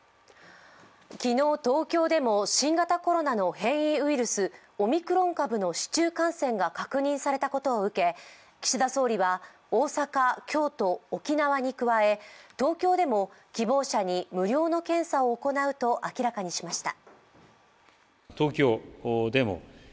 昨日、東京でも新型コロナの変異ウイルス、オミクロン株の市中感染が確認されたことを受け岸田総理は大阪、京都、沖縄に加え東京でも希望者に無料の検査を行うと明らかにしました。